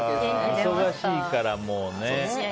忙しいからもうね。